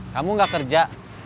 kamu gak kerja